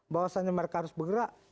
bahwasannya mereka harus bergerak